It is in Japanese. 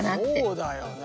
そうだよね。